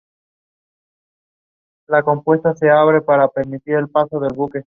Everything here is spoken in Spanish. El pico y las patas son negros.